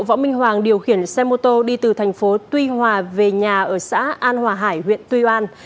võ minh hoàng điều khiển xe mô tô đi từ thành phố tuy hòa về nhà ở xã an hòa hải huyện tuy an